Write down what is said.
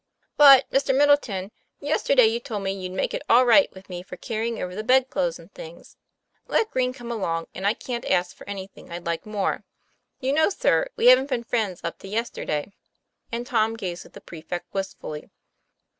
" But, Mr. Middleton, yesterday you told me you'd make it all right with me for carrying over the bed clothes and things. Let Green come along, and I can't ask for anything I'd like more. You know, sir, we haven't been friends up to yesterday." And Tom gazed at the prefect wistfully.